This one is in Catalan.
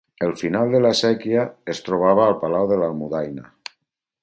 El final de la síquia es trobava al Palau de l'Almudaina.